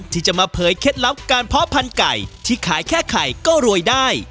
ที่จะมาเผยเคล็ดลับการเพาะพันธุ์ไก่ที่ขายแค่ไข่ก็รวยได้